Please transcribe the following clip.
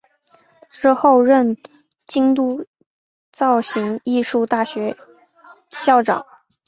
之后任京都造形艺术大学校长。